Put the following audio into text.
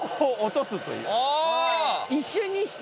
一瞬にして。